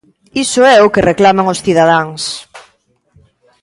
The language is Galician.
Iso é o que reclaman os cidadáns.